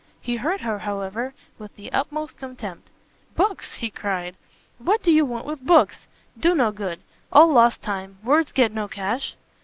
He heard her, however, with the utmost contempt; "Books?" he cried, "what do you want with books? do no good; all lost time; words get no cash."